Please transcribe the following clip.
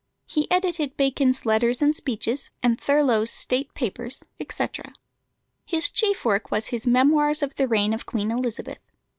He edited Bacon's Letters and Speeches, and Thurloe's State Papers, etc. His chief work was his Memoirs of the Reign of Queen Elizabeth.